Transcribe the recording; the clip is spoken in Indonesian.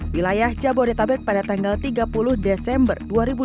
wilayah jabodetabek pada tanggal tiga puluh desember dua ribu dua puluh